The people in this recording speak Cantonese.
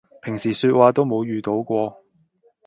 平時說話都冇遇到過